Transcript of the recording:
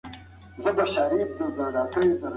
بدلونونه باید په مثبت لوري وي.